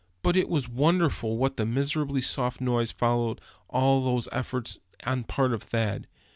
But it was wonderful what a miserably soft noise followed all these efforts on the part of Thad.